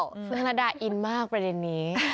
ซึ่งธนดาอินมากประเด็นนี้